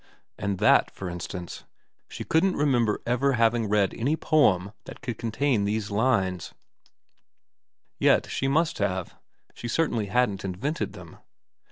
... And that, for instance ? She couldn't remember ever having read any poem that could contain these lines, yet she must have ; she certainly hadn't invented them.